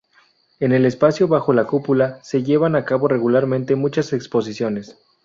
En el espacio bajo la cúpula se llevan a cabo regularmente muchas exposiciones.